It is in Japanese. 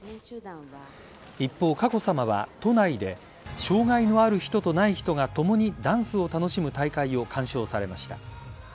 一方、佳子さまは都内で障害のある人とない人がともにダンスを楽しむ大会を鑑賞されました。